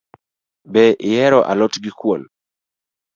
Be ihero a lot gi kuon